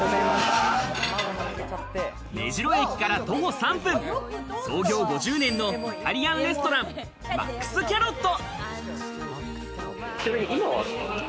目白駅から徒歩３分、創業５０年のイタリアンレストラン、マックスキャロット。